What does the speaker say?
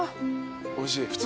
おいしい？